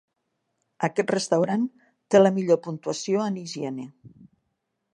Aquest restaurant té la millor puntuació en higiene.